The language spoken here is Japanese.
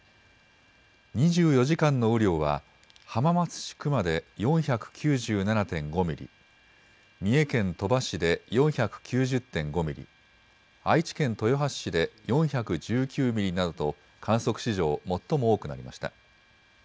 ２４時間の雨量は浜松市熊で４９７．５ミリ、三重県鳥羽市で４９０．５ミリ、愛知県豊橋市で４１９ミリなどと観測史上、最も多くなりました。